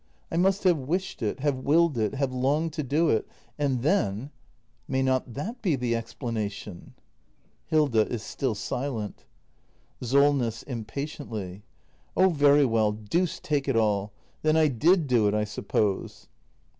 I must have wished it — have willed it — have longed to do it. And then . May not that be the explanation ? Hilda. [Is still silent.] Solness. [Impatiently.] Oh very well, deuce take it all — then I did do it, I suppose.